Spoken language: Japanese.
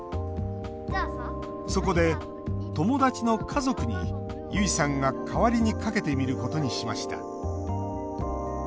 そこで友達の家族に結衣さんが代わりにかけてみることにしました。